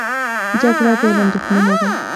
جګړه د علم دښمنه ده